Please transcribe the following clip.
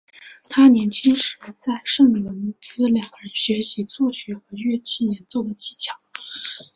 他年轻时在圣罗伦兹两人学习作曲和乐器演奏的技巧。